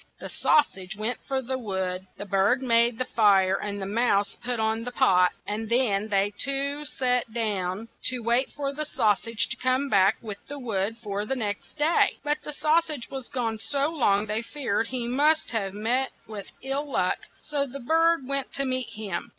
The sau sage went for the wood; the bird made the fire ; the mouse put on the pot, and then they two sat down to wait for the sau sage to come back with wood for the next day. But the sau sage was gone so long they feared he must have met with ill luck, so the bird went to meet him.